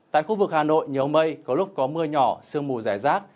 tại khu vực hà nội nhiều mây có lúc có mưa nhỏ sương mù rải rác